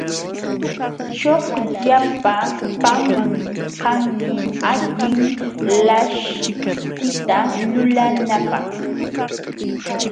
Chuqllupa panqanmi allin laśhtita lulanapaq.